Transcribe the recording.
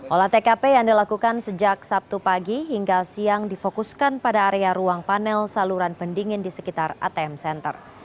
olah tkp yang dilakukan sejak sabtu pagi hingga siang difokuskan pada area ruang panel saluran pendingin di sekitar atm center